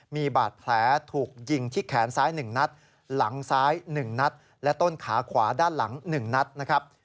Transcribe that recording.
มีบาดแผลถูกยิงที่แขนซ้าย๑นัดหลังซ้าย๑นัดและต้นขาขวาด้านหลัง๑นัดนะครับ